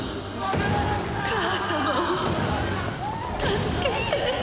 母様を助けて！